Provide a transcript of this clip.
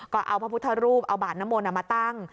ก็เอาพระพุทธรูปเอาบาดน้ำมนต์มาตั้ง